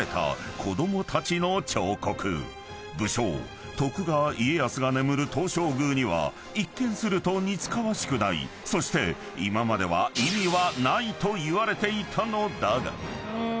［武将徳川家康が眠る東照宮には一見すると似つかわしくないそして今までは意味はないといわれていたのだが］